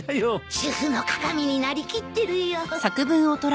主婦の鑑になりきってるよ。